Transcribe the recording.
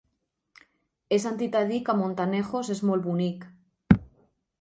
He sentit a dir que Montanejos és molt bonic.